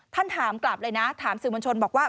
ถามกลับเลยนะถามสื่อมวลชนบอกว่า